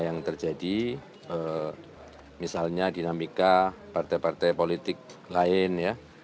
yang terjadi misalnya dinamika partai partai politik lain ya